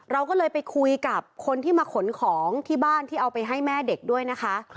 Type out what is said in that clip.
เราก็เลยไปคุยกับคนที่มาขนของที่บ้านที่เอาไปให้แม่เด็กด้วยนะคะ